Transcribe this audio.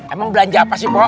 emang belanja apa sih bo